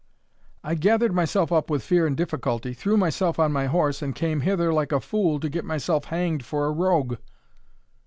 I gathered myself up with fear and difficulty, threw myself on my horse, and came hither like a fool to get myself hanged for a rogue."